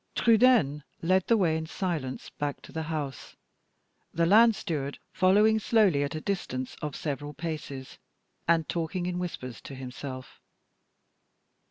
Trudaine led the way in silence back to the house; the land steward following slowly at a distance of several paces, and talking in whispers to himself.